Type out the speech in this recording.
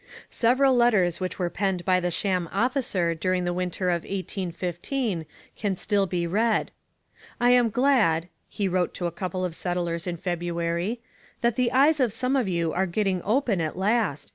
Several letters which were penned by the sham officer during the winter of 1815 can still be read. 'I am glad,' he wrote to a couple of settlers in February, 'that the eyes of some of you are getting open at last